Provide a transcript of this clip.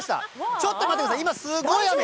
ちょっと待ってください、今、すごい雨。